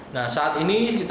nah saat ini kita